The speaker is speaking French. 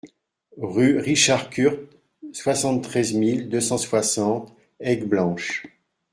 Rue Richard Curt, soixante-treize mille deux cent soixante Aigueblanche